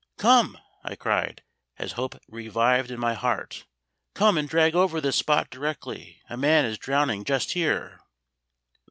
"Come!" I cried, as hope revived in my heart. "Come and drag over this spot directly; a man is drowning just here!"